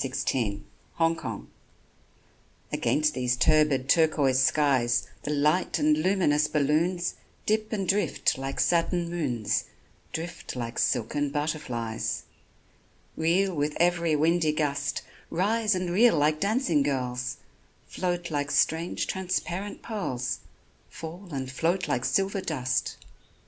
LES BALLONS AGAINST these turbid turquoise skies The light and luminous balloons Dip and drift like satin moons Drift like silken butterflies; Reel with every windy gust, Rise and reel like dancing girls, Float like strange transparent pearls, Fall and float like silver dust.